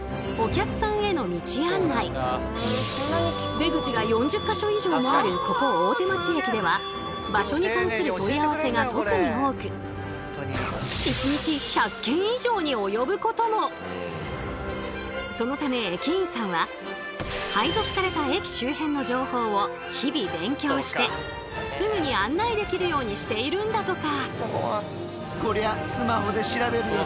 出口が４０か所以上もあるここ大手町駅では場所に関する問い合わせが特に多くそのため駅員さんは配属された駅周辺の情報を日々勉強してすぐに案内できるようにしているんだとか。